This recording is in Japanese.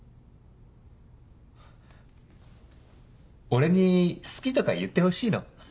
俺に「好き」とか言ってほしいの？